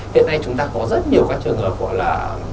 hiện nay chúng ta có rất nhiều các trường hợp gọi là